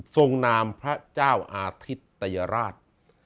นามพระเจ้าอาทิตยราช